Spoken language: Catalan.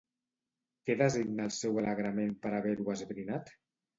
Què designa el seu alegrament per haver-ho esbrinat?